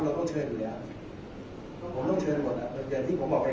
ซึ่งตอนนี้เรากำลังกำเนินการอยู่